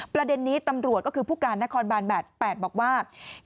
ประเด็นนี้ตำรวจก็คือผู้การนครบาน๘๘บอกว่า